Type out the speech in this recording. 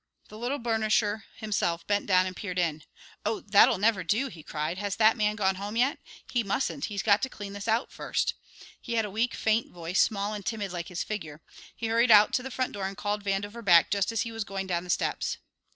The little burnisher himself bent down and peered in. "Oh, that'll never do!" he cried. "Has that man gone home yet? He mustn't; he's got to clean this out first!" He had a weak, faint voice, small and timid like his figure. He hurried out to the front door and called Vandover back just as he was going down the steps.